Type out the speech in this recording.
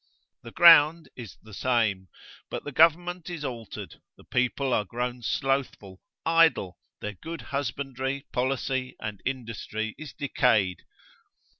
The ground is the same, but the government is altered, the people are grown slothful, idle, their good husbandry, policy, and industry is decayed.